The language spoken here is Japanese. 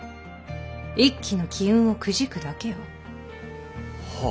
一揆の機運をくじくだけよ。は？